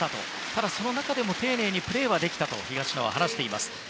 ただ、その中でも丁寧にプレーはできたと東野は話しています。